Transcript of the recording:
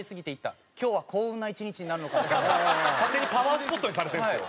勝手にパワースポットにされてるんですよ。